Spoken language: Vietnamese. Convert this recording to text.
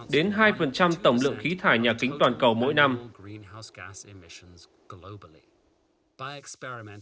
đến hai tổng lượng khí thải nhà kính toàn cầu mỗi năm